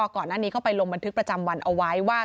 ก่อนหน้านี้เขาไปลงบันทึกประจำวันเอาไว้ว่า